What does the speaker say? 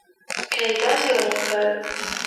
که یې داسې ونه کړل.